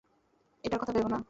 এটার কথা ভেব না।